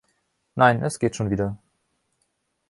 Nein, es geht schon wieder.